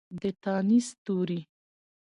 د تانیث توري